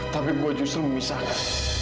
tapi gue justru memisahkan